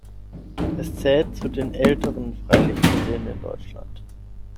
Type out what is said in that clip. Es zählt zu den älteren Freilichtmuseen in Deutschland.